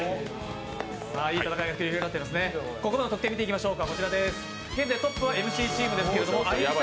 ここまでの得点見ていきましょう。